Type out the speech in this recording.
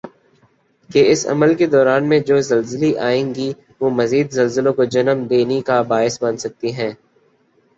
کہ اس عمل کی دوران میں جو زلزلی آئیں گی وہ مزید زلزلوں کو جنم دینی کا باعث بن سکتی ہیں